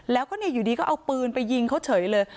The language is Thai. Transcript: แล้วก็อยู่ดีก็เอาปืนไปยิงเขาเฉยเลย